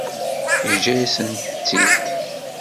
Yeǧǧa-yasent-t-id.